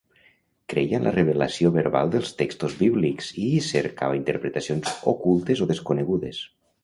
Creia en la revelació verbal dels textos bíblics i hi cercava interpretacions ocultes o desconegudes.